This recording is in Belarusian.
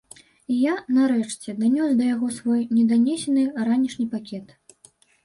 І я, нарэшце, данёс да яго свой неданесены ранішні пакет.